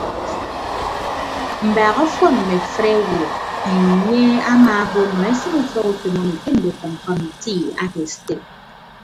Mbaak ọfọn mme afịt owo enye amaabo nọ esịn ufọkutom emi ke ndutʌm kọmiti ake sted.